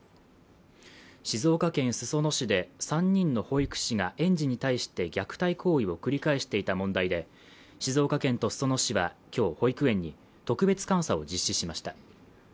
静岡県裾野市で３人の保育士が園児に対して虐待行為を繰り返していた問題で静岡県と裾野市はきょう保育園に特別監査を実施しました